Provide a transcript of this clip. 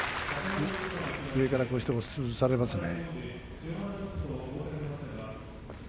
上からこうして押しつぶされますね。